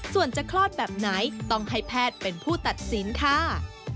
ส่วนจะคลอดแบบไหนต้องให้แพทย์เป็นผู้ตัดสินค่ะ